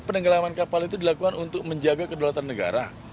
penenggelaman kapal itu dilakukan untuk menjaga kedaulatan negara